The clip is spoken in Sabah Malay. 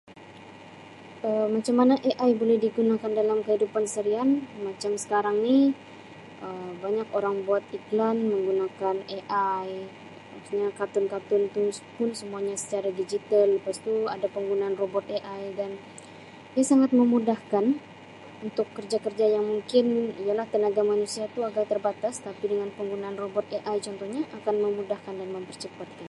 Um macam mana AI boleh digunakan dalam kehidupan seharian macam sekarang ni Um banyak orang buat iklan menggunakan AI maksudnya katun-katun pun tu semua secara digital, lepas tu ada penggunaan robot AI dan dia sangat memudahkan untuk kerja-kerja yang mungkin yalah tenaga manusia tu agak terbatas tapi dengan penggunaan robot AI contoh akan memudahkan dan mempercepatkan.